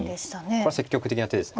これは積極的な手です。